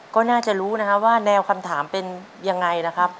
ก็น่าจะรู้นะครับว่าแนวคำถามเป็นยังไงนะครับ